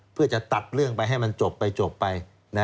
เพื่อจะตัดเรื่องไปให้มันจบไปจบไป